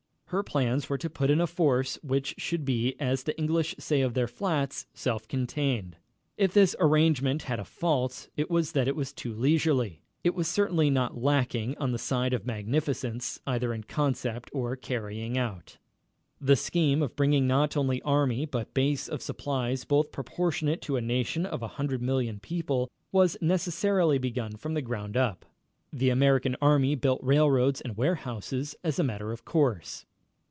Her plans were to put in a force which should be, as the English say of their flats, "self contained." If this arrangement had a fault, it was that it was too leisurely. It was certainly not lacking on the side of magnificence, either in concept or carrying out. The scheme of bringing not only army but base of supplies, both proportionate to a nation of a hundred million people, was necessarily begun from the ground up. The American Army built railroads and warehouses as a matter of course.